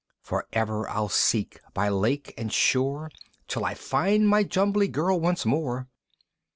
"For ever I'll seek by lake and shore "Till I find my Jumbly Girl once more!"